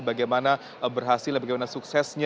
bagaimana berhasil bagaimana suksesnya